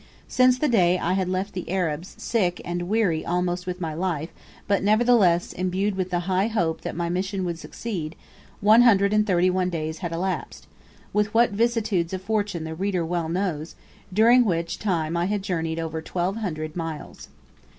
Since the day I had left the Arabs, sick and, weary almost with my life, but, nevertheless, imbued with the high hope that my mission would succeed, 131 days had elapsed with what vicissitudes of fortune the reader well knows during which time I had journeyed over 1,200 miles.